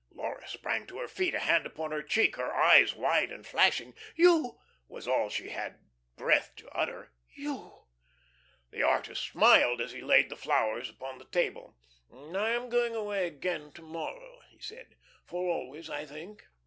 Laura sprang to her feet, a hand upon her cheek, her eyes wide and flashing. "You?" was all she had breath to utter. "You?" The artist smiled as he laid the flowers upon the table. "I am going away again to morrow," he said, "for always, I think.